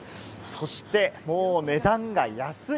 そしてもう値段が安い！